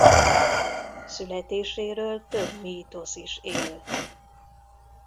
Születéséről több mítosz is él.